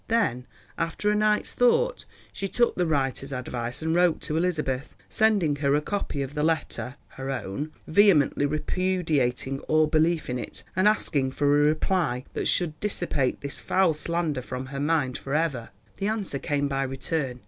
Then, after a night's thought, she took the "Riter's" advice and wrote to Elizabeth, sending her a copy of the letter (her own), vehemently repudiating all belief in it, and asking for a reply that should dissipate this foul slander from her mind for ever. The answer came by return.